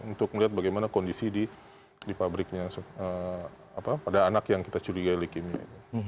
untuk melihat bagaimana kondisi di pabriknya pada anak yang kita curigai leukemia